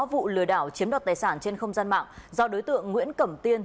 vụ lừa đảo chiếm đoạt tài sản trên không gian mạng do đối tượng nguyễn cẩm tiên